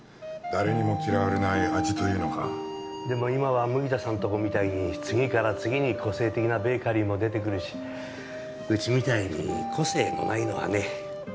誰にも嫌われない味というのかでも今は麦田さんのとこみたいに次から次に個性的なベーカリーも出てくるしうちみたいに個性のないのはね